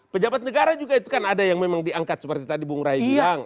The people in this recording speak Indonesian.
pejabat negara juga itu kan ada yang memang diangkat seperti tadi bung rai bilang